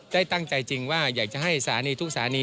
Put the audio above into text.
ได้ตั้งใจจริงว่าอยากจะให้สถานีทุกสถานี